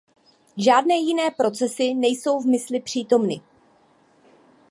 Žádné jiné procesy nejsou v mysli přítomny.